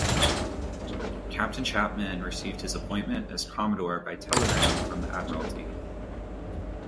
Captain Chapman received his appointment as Commodore by telegram from the Admiralty.